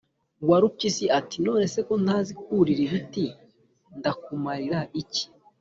warupyisi iti: “none se ko ntazi kurira ibiti ndakumarira iki? “